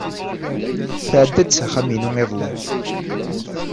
Tɛedda-d s axxam-inu iḍelli.